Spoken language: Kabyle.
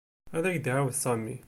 Ad ak-d-iɛawed Sami.